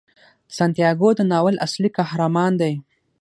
سانتیاګو د ناول اصلي قهرمان دی.